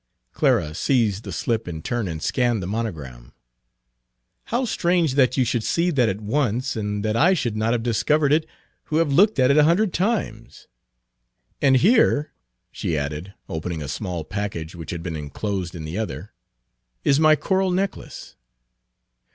Clara seized the slip in turn and scanned the monogram. "How strange that you should see that at once and that I should not have discovered it, who have looked at it a hundred times! And here," she added, opening a small package which had been inclosed in the other, "is my coral necklace.